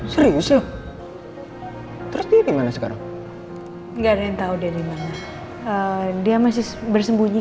serius loh terus dia gimana sekarang enggak ada yang tahu dia dimana dia masih bersembunyi